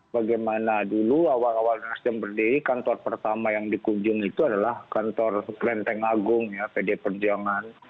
bagaimana dulu awal awal nasdem berdiri kantor pertama yang dikunjung itu adalah kantor klenteng agung ya pd perjuangan